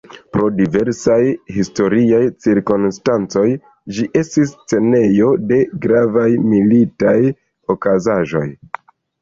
Pro diversaj historiaj cirkonstancoj ĝi estis scenejo de gravaj militaj okazaĵoj.